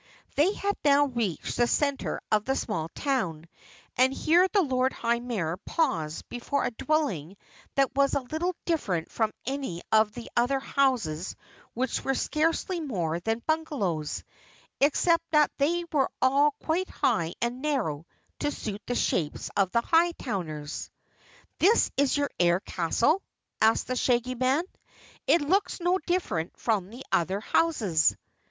They had now reached the center of the small town, and here the Lord High Mayor paused before a dwelling that was little different from any other of the houses which were scarcely more than bungalows, except that they were all quite high and narrow to suit the shapes of the Hightowners. "This is your Air Castle?" asked the Shaggy Man. "It looks no different from the other houses."